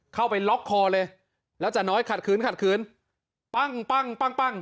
เข้าไปล็อกคอเลยแล้วจ่าน้อยขัดขืนขัดขืนปั้งปั้งปั้งปั้ง